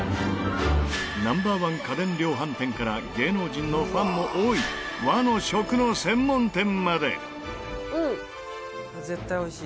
ナンバーワン家電量販店から芸能人のファンも多い和の食の専門店まで！